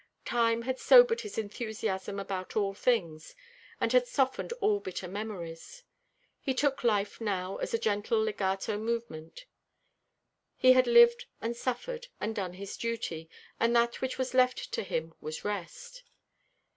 Time had sobered his enthusiasm about all things, and had softened all bitter memories. He took life now as a gentle legato movement. He had lived and suffered, and done his duty, and that which was left to him was rest.